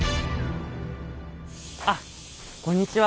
あっこんにちは。